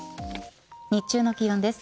日中の気温です。